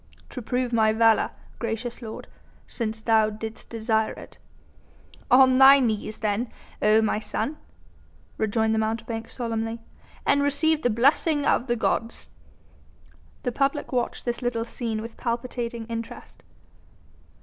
"To prove my valour, gracious lord, since thou didst desire it." "On thy knees then, O my son!" rejoined the mountebank solemnly, "and receive the blessing of the gods." The public watched this little scene with palpitating interest.